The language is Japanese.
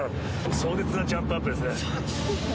壮絶なジャンプアップですね。